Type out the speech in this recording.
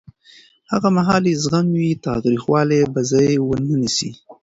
هغه مهال چې زغم وي، تاوتریخوالی به ځای ونه نیسي.